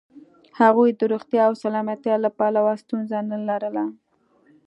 هغوی د روغتیا او سلامتیا له پلوه ستونزه نه لرله.